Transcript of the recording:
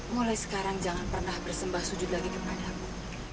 mulai sekarang jangan pernah bersembah sujud lagi kepadamu